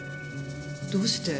どうして？